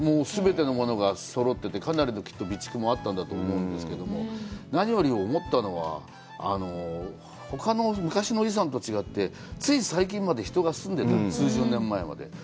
全てのものがそろってて、かなりの備蓄もあったと思うんですけど、何より思ったのは、ほかの昔の遺産と違って、つい最近まで人が住んでたんですね、数十年前まで。